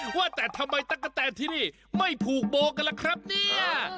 เฮ้ยว่าแต่ทำไมตั๊กกระแทนที่นี้ไม่ผูกโบว์กันล่ะครับเนี่ย